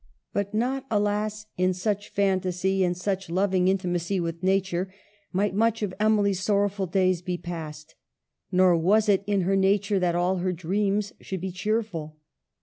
But not, alas ! in such fantasy, in such loving 180 EMILY BRONTE. intimacy with nature, might much of Emily's sorrowful days be passed. Nor was it in her nature that all her dreams should be cheerful.